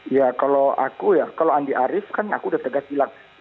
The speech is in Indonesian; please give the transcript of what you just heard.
ya kalau aku ya kalau andi arief kan aku udah tegas bilang